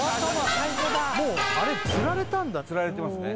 最初だけもうあれつられたんだつられてますね